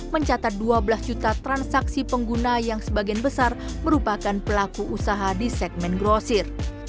mencatat dua belas juta transaksi pengguna yang sebagian besar merupakan pelaku usaha di segmen grosir